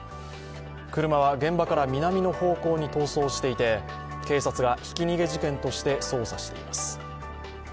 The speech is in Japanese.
車は現場から南の方向に逃走していて、警察がひき逃げ事件として捜査しています。